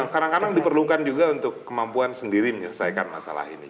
kadang kadang diperlukan juga untuk kemampuan sendiri menyelesaikan masalah ini